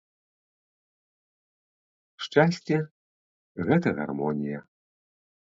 Шчасце – гэта гармонія